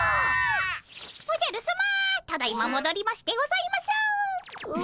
おじゃるさまただいまもどりましてございます。